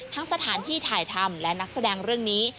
สถานที่ถ่ายทำและนักแสดงเรื่องนี้